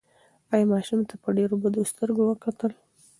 انا ماشوم ته په ډېرو بدو سترګو وکتل.